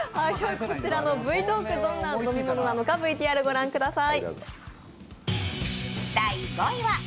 こちらのＶＴａＬＫどんな飲み物なのかＶＴＲをご覧ください。